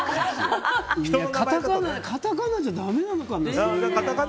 カタカナじゃだめなのかな。